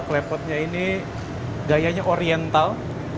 klepotnya ini gayanya oriental